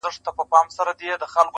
• حافظه يې ژوندۍ ساتي تل,